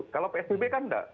kalau psbb kan enggak